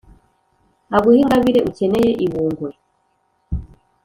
aguhe ingabire ukeneye i bungwe